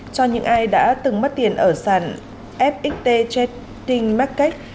cho những ai đã từng mất tiền ở sàn fxt trading market